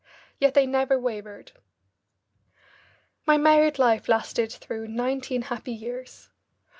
Yet they never wavered. My married life lasted through nineteen happy years.